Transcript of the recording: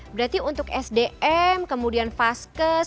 berarti untuk sdm kemudian vaskes